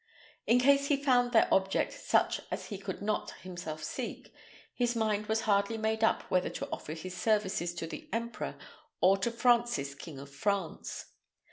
In case he found their object such as he could not himself seek, his mind was hardly made up whether to offer his services to the emperor, or to Francis King of France.